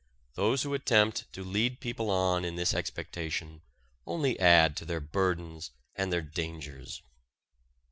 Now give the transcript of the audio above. Those who attempt to lead people on in this expectation only add to their burdens and their dangers.